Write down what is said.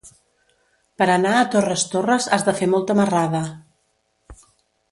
Per anar a Torres Torres has de fer molta marrada.